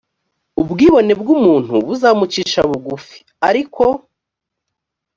ubwibone bw umuntu buzamucisha bugufi ariko